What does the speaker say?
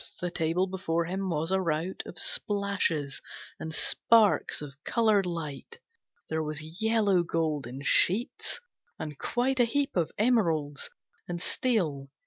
The table before him was a rout Of splashes and sparks of coloured light. There was yellow gold in sheets, and quite A heap of emeralds, and steel.